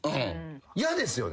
やですよね。